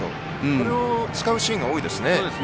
これを使うシーンが多いですね。